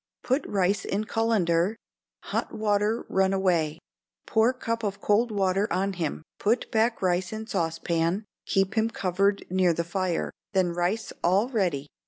Put rice in cullender, hot water run away; pour cup of cold water on him, put back rice in saucepan, keep him covered near the fire, then rice all ready.